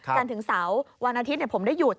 ยิ่งเหตุถึงเสาร์วันอาทิตย์ผมได้หยุด